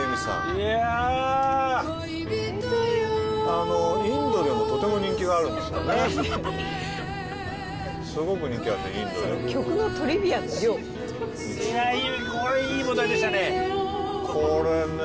あのインドでもとても人気があるんですよねすごく人気あってインドでその曲のトリビアの量いやいいこれいい問題でしたね